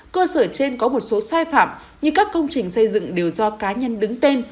cơ sở trên có một số sai phạm như các công trình xây dựng đều do cá nhân đứng tên